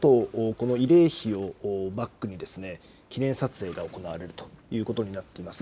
このあと慰霊碑をバックに記念撮影が行われるということになっています。